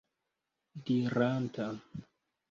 diranta